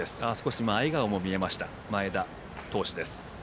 笑顔も見えた、前田投手です。